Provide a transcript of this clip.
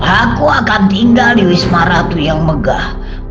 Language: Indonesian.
aku akan tinggal di wisma ratu yang megah